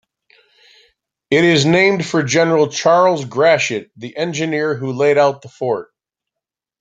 It is named for General Charles Gratiot, the engineer who laid out the fort.